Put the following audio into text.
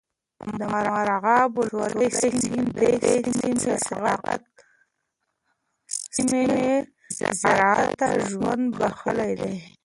د مرغاب ولسوالۍ سیند د دې سیمې زراعت ته ژوند بخښلی دی.